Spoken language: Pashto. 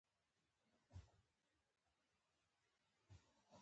کندهار د افغانستان د ټولنیز او اجتماعي جوړښت یوه برخه ده.